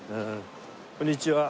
こんにちは。